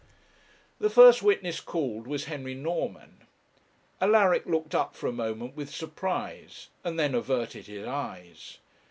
The first witness called was Henry Norman. Alaric looked up for a moment with surprise, and then averted his eyes.